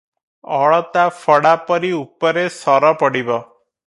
ଅଳତା ଫଡ଼ା ପରି ଉପରେ ସର ପଡ଼ିବ ।